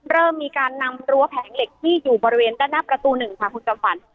เริ่มมีการนำรั้วแผงเหล็กที่อยู่บริเวณด้านหน้าประตูหนึ่งค่ะคุณจำขวัญ